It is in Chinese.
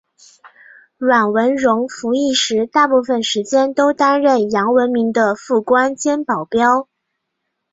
阮文戎服役时大部分时间都担任杨文明的副官兼保镖。